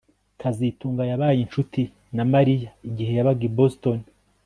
kazitunga yabaye inshuti na Mariya igihe yabaga i Boston